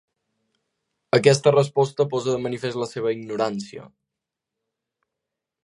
Aquesta resposta posa de manifest la seva ignorància.